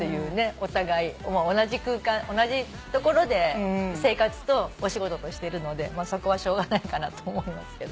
お互い同じ空間同じ所で生活とお仕事としてるのでそこはしょうがないかなと思いますけど。